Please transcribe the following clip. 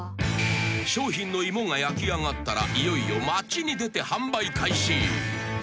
［商品の芋が焼きあがったらいよいよ街に出て販売開始］